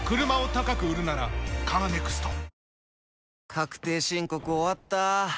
確定申告終わった。